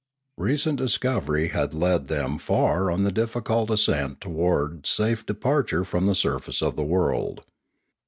Recent discovery had led them far on the difficult 47° Limanora ascent towards safe departure from the surface of the world.